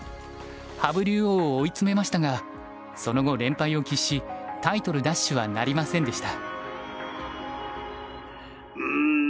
羽生竜王を追い詰めましたがその後連敗を喫しタイトル奪取はなりませんでした。